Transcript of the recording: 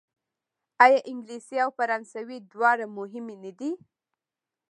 آیا انګلیسي او فرانسوي دواړه مهمې نه دي؟